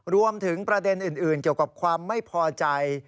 รวมถึงประเด็นอื่นเกี่ยวกับความไม่พอใจ